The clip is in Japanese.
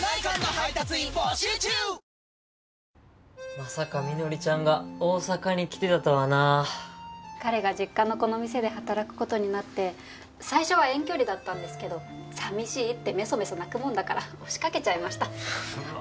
まさかみのりちゃんが大阪に来てたとはな彼が実家のこの店で働くことになって最初は遠距離だったんですけどさみしいってめそめそ泣くもんだから押しかけちゃいましたうわ